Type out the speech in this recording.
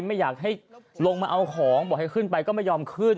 ไม่อยากให้ลงมาเอาของบอกให้ขึ้นไปก็ไม่ยอมขึ้น